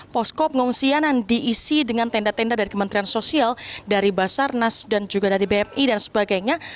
posko pengungsian yang diisi dengan tenda tenda dari kementerian sosial dari basarnas dan juga dari bmi dan sebagainya